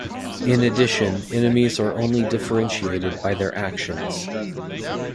In addition, enemies are only differentiated by their actions.